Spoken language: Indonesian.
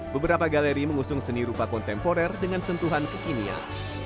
beberapa galeri mengusung seni rupa kontemporer dengan sentuhan kekinian